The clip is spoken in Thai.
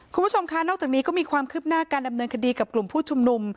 คุณผู้ชมค่ะนอกจากนี้ก็มีความคืบหน้าการดำเนินคดีกับกลุ่มผู้ชุมนุม